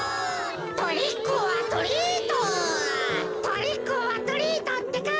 トリックオアトリートってか。